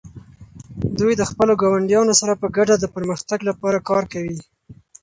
دوی د خپلو ګاونډیانو سره په ګډه د پرمختګ لپاره کار کوي.